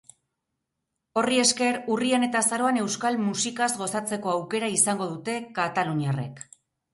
Horri esker, urrian eta azaroan euskal musikaz gozatzeko aukera izango dute kataluniarrek.